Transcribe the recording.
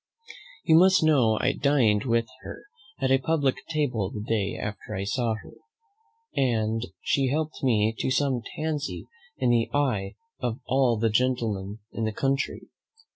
You must know I dined with her at a publick table the day after I first saw her, and she helped me to some tansy in the eye of all the gentlemen in the country.